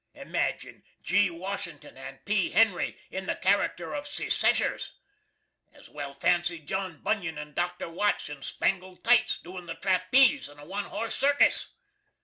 Imagine G. Washington and P. Henry in the character of seseshers! As well fancy John Bunyan and Dr. Watts in spangled tites, doin the trapeze in a one horse circus!